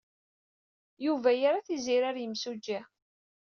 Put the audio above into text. Yuba yerra Tiziri ɣer yimsujji.